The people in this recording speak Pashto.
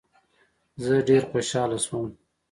زه ډېر خوشاله شوم.